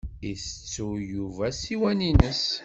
Itettuy Yuba ssiwan-ines.